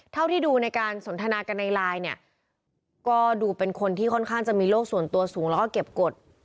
เท่าที่ดูในการสนทนากันในไลน์เนี่ยก็ดูเป็นคนที่ค่อนข้างจะมีโลกส่วนตัวสูงแล้วก็เก็บกฎ